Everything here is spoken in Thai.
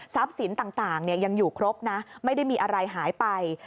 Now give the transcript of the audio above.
สินต่างยังอยู่ครบนะไม่ได้มีอะไรหายไป